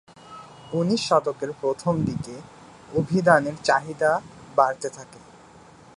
উনিশ শতকের প্রথম দিকে অভিধানের চাহিদা বাড়তে থাকে।